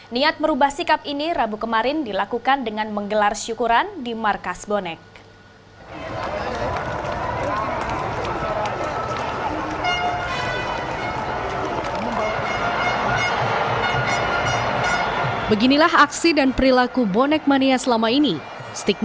niat merubah sikap ini rabu kemarin dilakukan dengan menggelar syukuran di markas bonek